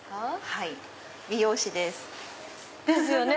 はい美容師です。ですよね！